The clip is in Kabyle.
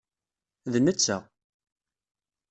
D netta.